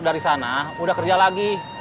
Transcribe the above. dari sana udah kerja lagi